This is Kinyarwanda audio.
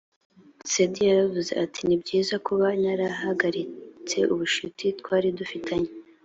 cindy yaravuze ati ni byiza kuba narahagaritse ubucuti twari dufitanye